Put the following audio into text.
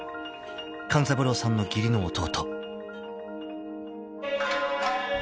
［勘三郎さんの義理の弟］